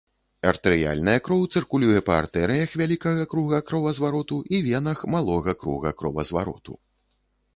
Артэрыяльная кроў цыркулюе па артэрыях вялікага круга кровазвароту і венах малога круга кровазвароту.